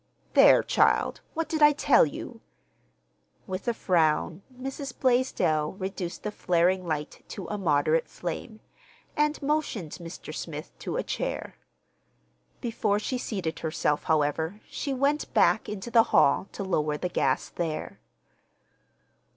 "There, child, what did I tell you?" With a frown Mrs. Blaisdell reduced the flaring light to a moderate flame, and motioned Mr. Smith to a chair. Before she seated herself, however, she went back into the hall to lower the gas there.